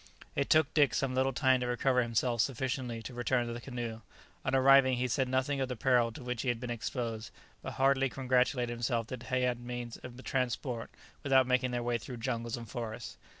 It took Dick some little time to recover himself sufficiently to return to the canoe. On arriving, he said nothing of the peril to which he had been exposed, but heartily congratulated himself that they had means of transport without making their way through jungles and forests.